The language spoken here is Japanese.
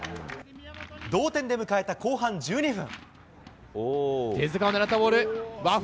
同点で迎えた後半１２分。